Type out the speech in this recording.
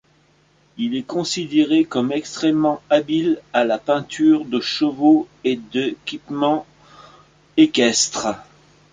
Il est considéré comme extrêmement habile à la peinture de chevaux et d'équipement équestres.